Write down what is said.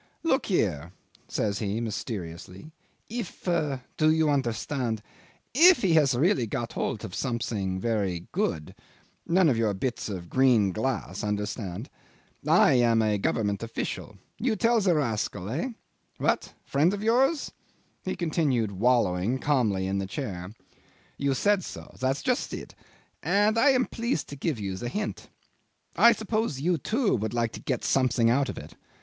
"Look here," says he mysteriously, "if do you understand? if he has really got hold of something fairly good none of your bits of green glass understand? I am a Government official you tell the rascal ... Eh? What? Friend of yours?" ... He continued wallowing calmly in the chair ... "You said so; that's just it; and I am pleased to give you the hint. I suppose you too would like to get something out of it?